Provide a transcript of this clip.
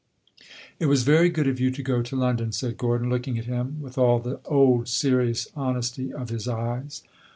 "It was very good of you to go to London," said Gordon, looking at him with all the old serious honesty of his eyes.